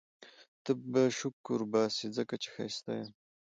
ته به شکرباسې ځکه چي ښایسته یم